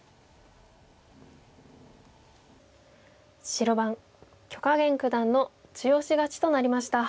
白番許家元九段の中押し勝ちとなりました。